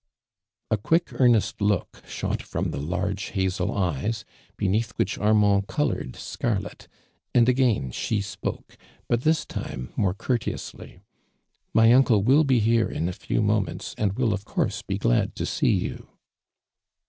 A quick eainest look shot from the large hazel eyes, beneath which Arm.and colored seai'let, and again she spoke, but this time, more courteously: " My micle will be here in a few moments and will of course be glad to see you."